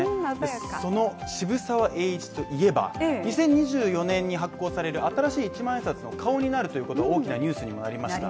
その渋沢栄一といえば、２０２４年に発行される新しい１万円札の顔になるということを大きなニュースもありました。